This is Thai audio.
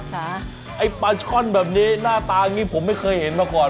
ไอ้ปลาช่อนแบบนี้หน้าตาอย่างนี้ผมไม่เคยเห็นมาก่อน